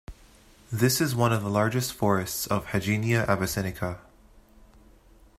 This is one of the largest forests of "Hagenia abyssinica".